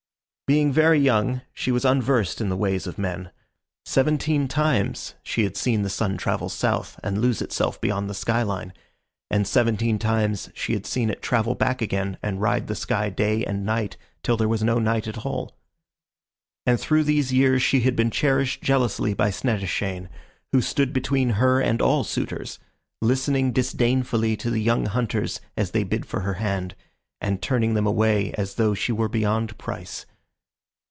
Being very young, she was unversed in the ways of men. Seventeen times she had seen the sun travel south and lose itself beyond the sky line, and seventeen times she had seen it travel back again and ride the sky day and night till there was no night at all. And through these years she had been cherished jealously by Snettishane, who stood between her and all suitors, listening disdainfully to the young hunters as they bid for her hand, and turning them away as though she were beyond price.